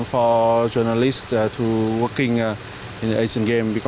terus ke transport hub kemudian tinggal pilih saja di mana venue yang kita mau pergi